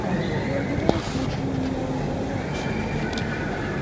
د زړه سکون یو ژور خوند لري.